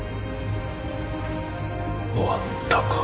終わったか。